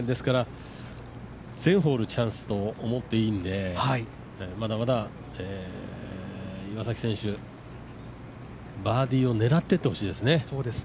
全ホールチャンスと思っていいので、まだまだ岩崎選手、バーディーを狙っていってほしいですね。